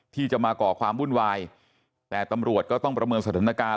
ที่จะมาก่อความวุ่นวายแต่ตำรวจก็ต้องประเมินสถานการณ์